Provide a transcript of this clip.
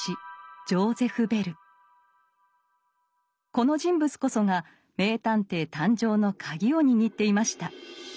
この人物こそが名探偵誕生のカギを握っていました。